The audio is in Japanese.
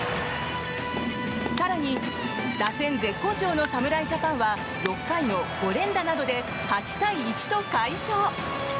更に打線絶好調の侍ジャパンは６回の５連打などで８対１と快勝！